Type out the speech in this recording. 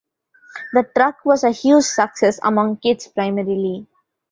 The truck was a huge success among kids primarily.